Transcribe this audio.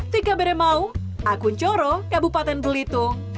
jika beri mau aku coro ke bupaten belitung